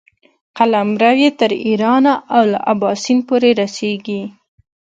قلمرو یې تر ایرانه او له اباسین پورې رسېږي.